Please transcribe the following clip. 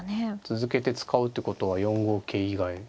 続けて使うってことは４五桂以外。